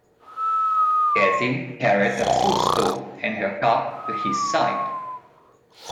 Cathy carried a footstool and her cup to his side.